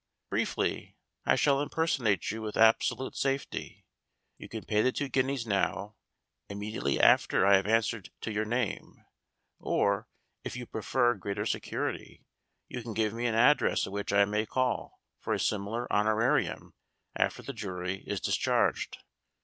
Briefly, I shall impersonate you with absolute safety. You can pay the two guineas now, immediately after I have answered to your name; or, if you prefer greater security, you can give me an address at which I may call for a similar honorarium after the jury is dis charged."